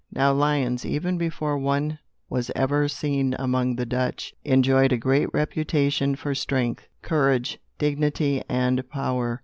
Now lions, even before one was ever seen among the Dutch, enjoyed a great reputation for strength, courage, dignity and power.